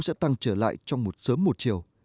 sẽ tăng trở lại trong một sớm một chiều